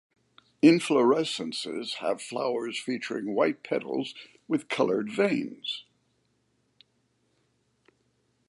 Inflorescences have flowers featuring white petals with coloured veins.